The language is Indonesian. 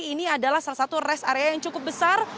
ini adalah salah satu rest area yang cukup besar